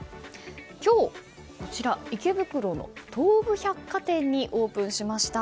今日、池袋の東武百貨店にオープンしました。